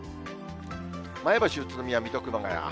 前橋、宇都宮、水戸、熊谷。